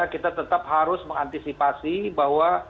kita tetap harus mengantisipasi bahwa